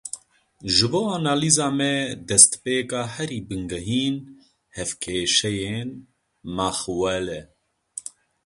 Ji bo analîza me destpêka herî bingehîn hevkêşeyên Maxwell e.